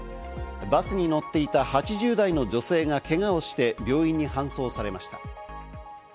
バスに乗っていた８０代の女性がけがをして病院に搬送されました。